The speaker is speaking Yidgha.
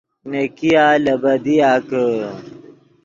نیکیا لے بدیا کہ